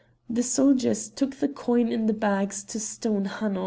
The soldiers took the coin in the bags to stone Hanno.